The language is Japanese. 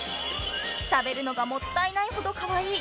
［食べるのがもったいないほどカワイイ